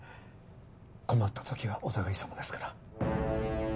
困った時はお互いさまですから。